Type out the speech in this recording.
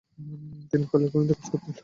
তিনি কয়লার খনিতে কাজ করতেন।